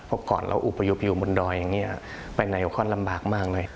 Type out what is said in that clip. เพราะก่อนเราอุพยพอยู่บนดอยอย่างนี้ไปไหนก็ลำบากมากเลย